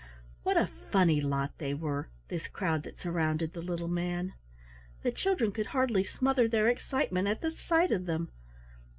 What a funny lot they were this crowd that surrounded the little man! The children could hardly smother their excitement at the sight of them.